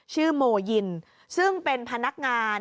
โมยินซึ่งเป็นพนักงาน